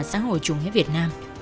xã hội chủ nghĩa việt nam